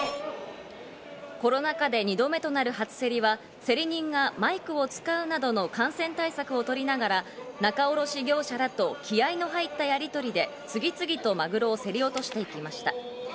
コロナ禍で２度目となる初競りは競り人がマイクを使うなどの感染対策をとりながら、仲卸業者らと気合いの入ったやりとりで次々とマグロを競り落としていきました。